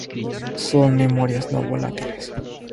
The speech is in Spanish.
Son memorias no volátiles.